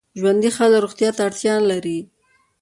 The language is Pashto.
ژوندي خلک روغتیا ته اړتیا لري